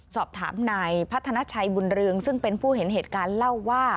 สอบถามนายพัฒนาชัยบุญเรืองซึ่งเป็นผู้เห็นเหตุการณ์เล่าว่า